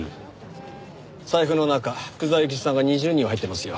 財布の中福沢諭吉さんが２０人は入ってますよ。